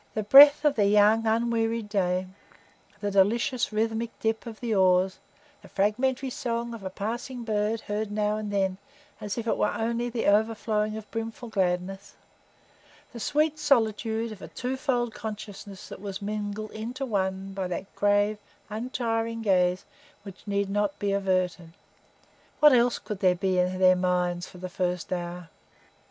The breath of the young, unwearied day, the delicious rhythmic dip of the oars, the fragmentary song of a passing bird heard now and then, as if it were only the overflowing of brimful gladness, the sweet solitude of a twofold consciousness that was mingled into one by that grave, untiring gaze which need not be averted,—what else could there be in their minds for the first hour?